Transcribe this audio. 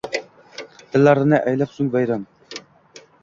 Dillarini aylab soʼng vayron